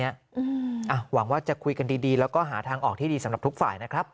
อลิขาแปลว่าจะคุยกันดีและก็หาทางออกที่ดีสำหรับทุกฝ่ายนะครับ